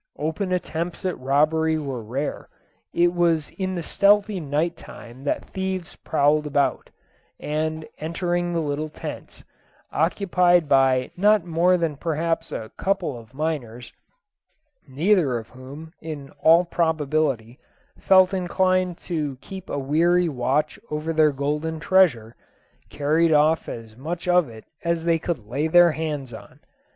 Open attempts at robbery were rare; it was in the stealthy night time that thieves prowled about, and, entering the little tents, occupied by not more than perhaps a couple of miners, neither of whom, in all probability, felt inclined to keep a weary watch over their golden treasure, carried off as much of it as they could lay their hands on.